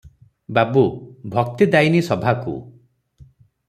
ବାବୁ - ଭକ୍ତି-ଦାୟିନୀ ସଭାକୁ ।